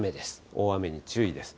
大雨に注意です。